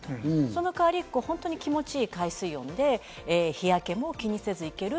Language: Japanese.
その代わり気持ちのいい海水温で日焼けも気にせず行ける